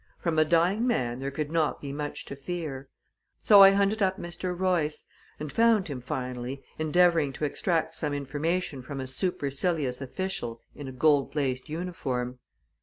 From a dying man there could not be much to fear. So I hunted up Mr. Royce, and found him, finally, endeavoring to extract some information from a supercilious official in a gold laced uniform.